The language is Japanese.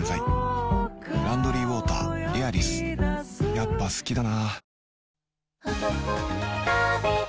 やっぱ好きだな